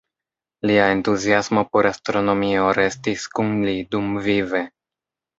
Lia entuziasmo por astronomio restis kun li dumvive.